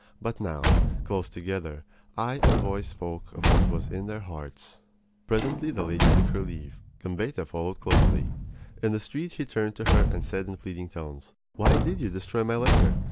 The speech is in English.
But now, close together, eye and voice spoke of what was in their hearts. Presently the lady took her leave. Gambetta followed closely. In the street he turned to her and said in pleading tones: "Why did you destroy my letter?